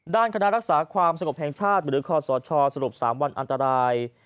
ด้านคณะรักษาความสงบแห่งชาติหรือคอสชสรุป๓วันอันตราย